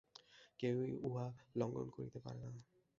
কেহই উহা লঙ্ঘন করিতে পারে না।